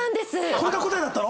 これが答えだったの？